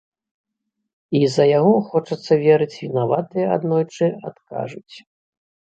І за яго, хочацца верыць, вінаватыя аднойчы адкажуць.